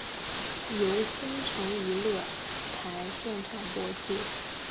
由新城娱乐台现场播出。